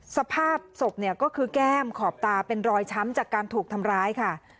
สภาพศพเนี่ยก็คือแก้มขอบตาเป็นรอยช้ำจากการถูกทำร้ายค่ะ